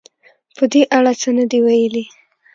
په دې اړه څه نه دې ویلي